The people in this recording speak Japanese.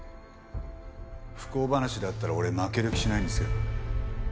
不幸話だったら俺負ける気しないんですけど。